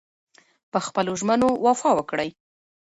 پخپلو ژمنو وفا وکړئ.